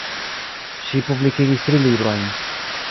Ŝi publikigis tri librojn.